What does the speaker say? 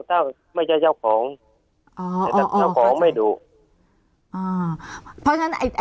ถ้าไม่ใช่เจ้าของอ๋ออ๋ออ๋อเจ้าของไม่ดุอ๋อเพราะฉะนั้น